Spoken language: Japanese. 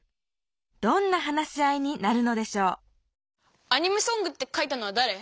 どんな話し合いになるのでしょう「アニメソング」って書いたのはだれ？